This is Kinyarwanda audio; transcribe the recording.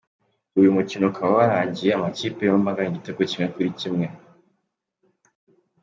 Uyu mukino ukaba warangiye amakipe yombi anganya igitego kimwe kuri kimwe.